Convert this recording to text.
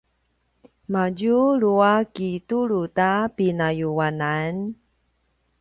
madjulu a kitulu ta pinayuanan?